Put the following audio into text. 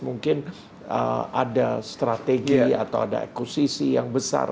mungkin ada strategi atau ada ekosisi yang besar